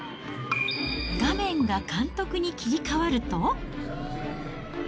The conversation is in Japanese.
画面が監督に切り替わると。